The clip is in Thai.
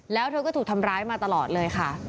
แล้วเธอก็ถูกทำร้ายมาตลอดเลยค่ะ